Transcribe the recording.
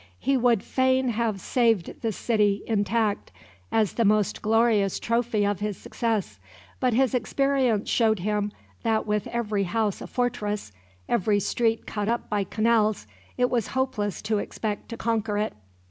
He would fain have saved the city intact, as the most glorious trophy of his success; but his experience showed him that with every house a fortress, every street cut up by canals, it was hopeless to expect to conquer it.